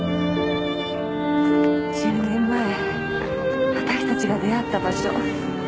１０年前私達が出会った場所。